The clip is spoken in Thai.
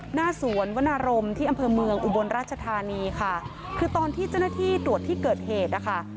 หน้าสวนวนารมที่อำเภอเมืองอุบลราชธานีค่ะคือตอนที่เจ้าหน้าที่ตรวจที่เกิดเหตุนะคะ